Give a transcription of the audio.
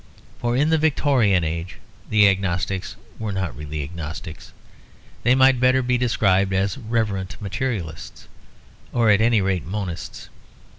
For in the Victorian age the agnostics were not really agnostics. They might be better described as reverent materialists; or at any rate monists.